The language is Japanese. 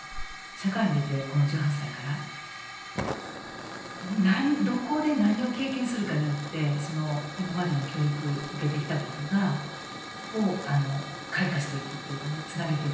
社会に出てこの１８歳からどこで何を経験するかによって今までの教育受けてきたことがを開花していくっていうかねつなげていくというか。